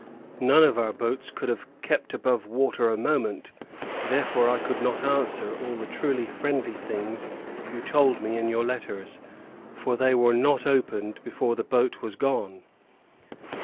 None of our boats could have kept above water a moment; therefore, I could not answer all the truly friendly things you told me in your letters, for they were not opened before the boat was gone.